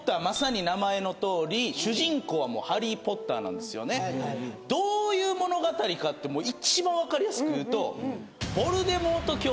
まさに名前のとおり主人公はもうハリー・ポッターなんですよねどういう物語かってもう一番分かりやすく言うとヴォルデモート